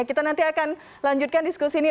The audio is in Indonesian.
kita nanti akan lanjutkan diskusi ini